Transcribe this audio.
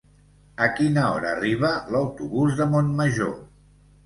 A quina hora arriba l'autobús de Montmajor?